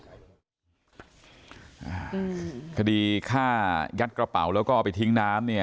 คดีฆ่ายัดกระเป๋าแล้วก็เอาไปทิ้งน้ำเนี่ย